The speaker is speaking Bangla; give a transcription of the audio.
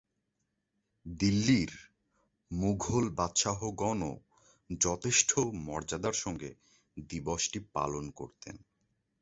দিল্লির মুগল বাদশাহগণও যথেষ্ট মর্যাদার সঙ্গে দিবসটি পালন করতেন।